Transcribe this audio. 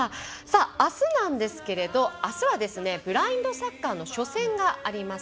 あすなんですけれど、あすはブラインドサッカーの初戦があります。